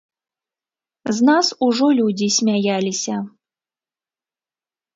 З нас ужо людзі смяяліся.